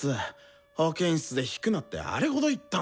保健室で弾くなってあれほど言ったのに。